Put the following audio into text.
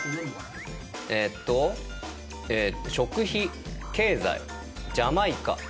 えっと食費経済ジャマイカ。